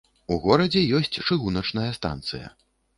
У горадзе ёсць чыгуначная станцыя.